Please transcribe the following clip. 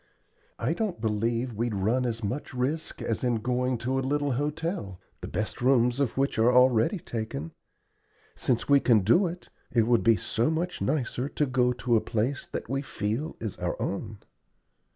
I don't believe we'd run as much risk as in going to a little hotel, the best rooms of which are already taken. Since we can do it, it will be so much nicer to go to a place that we feel is our own!"